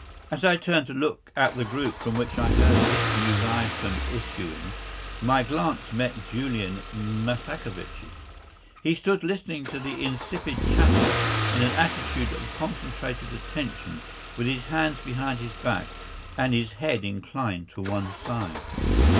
As I turned to look at the group from which I heard this news item issuing, my glance met Julian Mastakovich's. He stood listening to the insipid chatter in an attitude of concentrated attention, with his hands behind his back and his head inclined to one side.